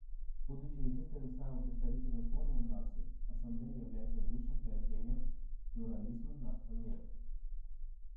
Будучи единственным самым представительным форумом наций, Ассамблея является высшим проявлением плюрализма нашего мира.